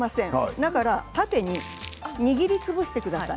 だから縦に握りつぶしてください。